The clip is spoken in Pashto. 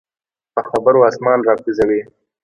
په خبرو اسمان راکوزوي.